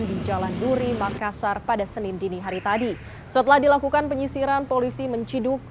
di jalan duri makassar pada senin dini hari tadi setelah dilakukan penyisiran polisi menciduk